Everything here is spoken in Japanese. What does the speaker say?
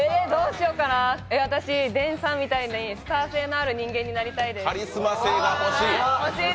私、Ｄｅｎさんみたいにスター性のある人間になりたいです。